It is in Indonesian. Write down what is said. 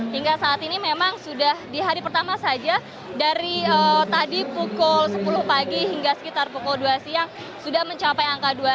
hingga saat ini memang sudah di hari pertama saja dari tadi pukul sepuluh pagi hingga sekitar pukul dua siang sudah mencapai angka dua puluh